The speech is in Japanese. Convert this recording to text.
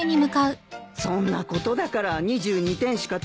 そんなことだから２２点しか取れないんですよ。